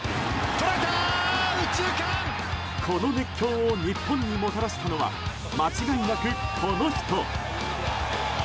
この熱狂を日本にもたらしたのは間違いなく、この人。